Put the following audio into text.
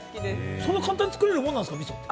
そんなに簡単に作れるものなんですか？